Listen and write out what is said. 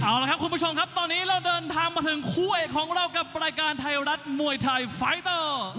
เอาละครับคุณผู้ชมครับตอนนี้เราเดินทางมาถึงคู่เอกของเรากับรายการไทยรัฐมวยไทยไฟเตอร์